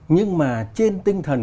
nhưng mà trên tinh thần